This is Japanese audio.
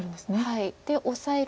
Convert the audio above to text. はい。でオサえる。